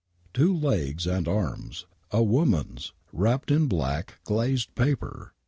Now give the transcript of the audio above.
Two legs and arms, a woman's, wrapped in black, glazed paper